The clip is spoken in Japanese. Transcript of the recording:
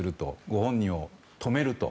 ご本人を止めると。